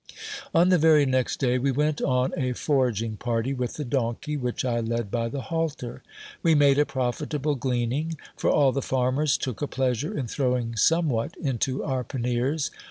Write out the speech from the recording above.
On the very next day we went on a foraging party with the donkey, which I led by the halter. We made a profitable gleaning ; for all the farmers took a pleasure in throwing somewhat into our panniers.